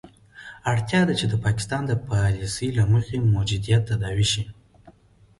اړتیا ده چې د پاکستان د پالیسي له مخې موجودیت تداوي شي.